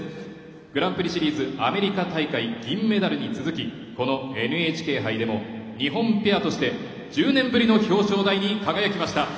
グランプリシリーズアメリカ大会銀メダルに続きこのＮＨＫ杯でも日本ペアとして１０年ぶりの表彰台に輝きました。